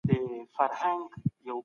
شک د پوښتنې زېږنده ده.